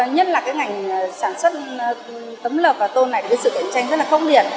nhất là cái ngành sản xuất tấm lợp và tôn này với sự kiện tranh rất là khốc liệt